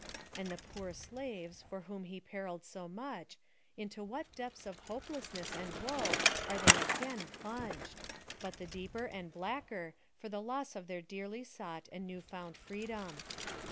And the poor slaves, for whom he periled so much, into what depths of hopelessness and woe are they again plunged! But the deeper and blacker for the loss of their dearly sought and new found freedom.